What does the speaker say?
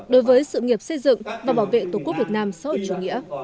đối với sự nghiệp xây dựng và bảo vệ tổ quốc việt nam sở hữu chủ nghĩa